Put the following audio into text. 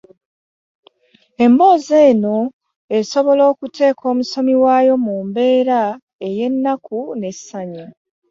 Emboozi eno esobola okuteeka omusomi waayo mu mbeera ey’ennaku n’essanyu.